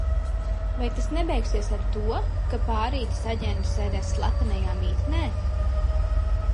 Vai tas nebeigsies ar to, ka pārītis aģentu sēdēs slepenajā mītnē?